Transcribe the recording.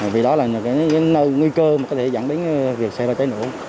vì đó là những nguy cơ có thể dẫn đến việc xe bay cháy nổ